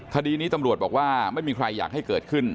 คดีนี้ตำรวจบอกว่าไม่มีใครอยากให้เกิดขึ้น